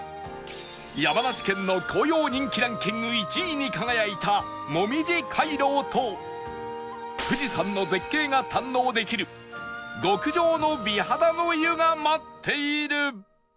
山梨県の紅葉人気ランキング１位に輝いたもみじ回廊と富士山の絶景が堪能できる極上の美肌の湯が待っている